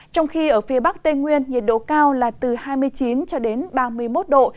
trong khi ở phía bắc tây nguyên nhiệt độ cao là từ hai mươi chín ba mươi một độ